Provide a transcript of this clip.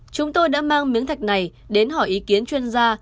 chúng tôi đã mang miếng thạch này đến hỏi ý kiến chuyên gia